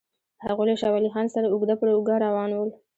هغوی له شاه ولي خان سره اوږه پر اوږه روان ول.